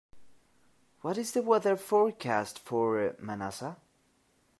What is the weather forecast for Manassa?